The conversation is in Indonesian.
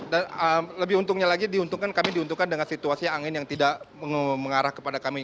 dan lebih untungnya lagi kami diuntungkan dengan situasi angin yang tidak mengarah kepada kami